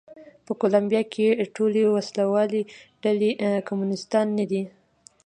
په کولمبیا کې ټولې وسله والې ډلې کمونېستان نه دي.